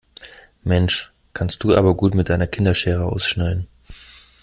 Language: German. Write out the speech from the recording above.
Mensch, kannst du aber gut mit deiner Kinderschere ausschneiden.